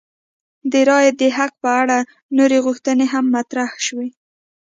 د رایې د حق په اړه نورې غوښتنې هم مطرح شوې.